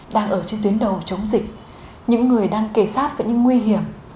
đang ở trên tuyến đầu chống dịch những người đang kề sát với những nguy hiểm